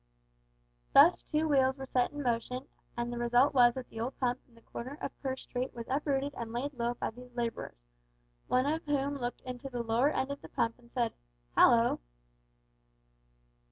Thus two wheels were set in motion, and the result was that the old pump at the corner of Purr Street was uprooted and laid low by these labourers, one of whom looked into the lower end of the pump and said "Hallo!"